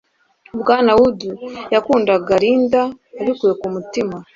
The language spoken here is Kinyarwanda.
Bwana Wood yakundaga Linda abikuye ku mutima.